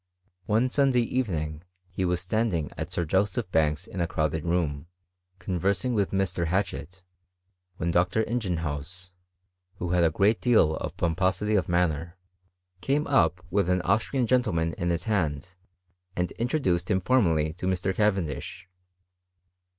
One Sunday evening he was standing at Sir Joseph Banks's in a crowded room, conversing with Mr. Hatchett, when Dr. Ingenhousz, who had a good deal of pomposity of manner, came up with an Austrian gentleman in his hand, and intro duced him formally to Mr. Cavendish.